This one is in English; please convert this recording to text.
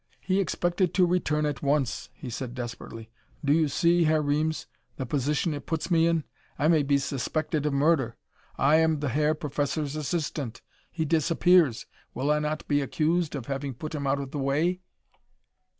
"He expected to return at once," he said desperately. "Do you see, Herr Reames, the position it puts me in? I may be suspected of murder! I am the Herr Professor's assistant. He disappears. Will I not be accused of having put him out of the way?"